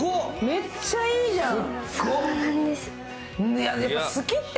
めっちゃいいじゃん！